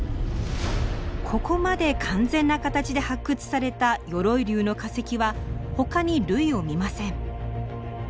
ここまで完全な形で発掘された鎧竜の化石はほかに類を見ません。